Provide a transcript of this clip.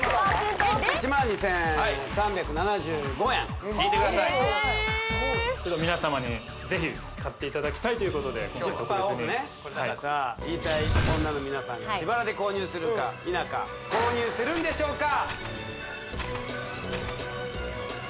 １２３７５円へえっ皆様にぜひ買っていただきたいということで今回特別にはい１０％オフね言いたい女の皆さんが自腹で購入するか否か購入するんでしょうか